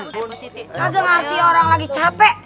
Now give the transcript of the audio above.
gak ada ngasih orang lagi capek